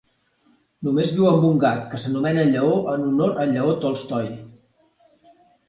Només viu amb un gat, que s'anomena Lleó en honor a Lleó Tolstoi.